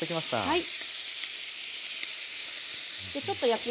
はい。